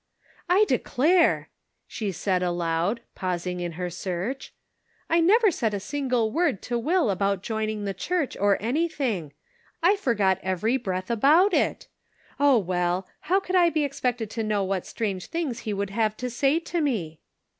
I declare," she said aloud, pausing in her search, " I never said a single word to Will about joining the Church, or any thing. I forgot every breath about it ! Oh, well, how could I be expected to know what strange things he would have to say to me